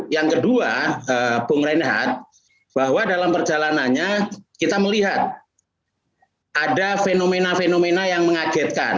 yang kedua bung reinhardt bahwa dalam perjalanannya kita melihat ada fenomena fenomena yang mengagetkan